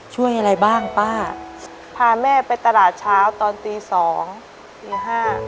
ช่วยอะไรบ้างป้าพาแม่ไปตลาดเช้าตอนตีสองตีห้า